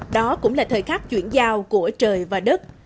đó cũng là thời khắc chuyển giao của trời và đất